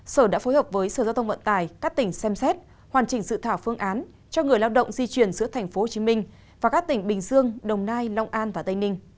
sở đã phối hợp với sở giao thông vận tải các tỉnh xem xét hoàn chỉnh dự thảo phương án cho người lao động di chuyển giữa tp hcm và các tỉnh bình dương đồng nai long an và tây ninh